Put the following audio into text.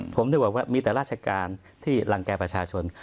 ผมถึงบอกว่ามีแต่ราชการที่รังแก่ประชาชน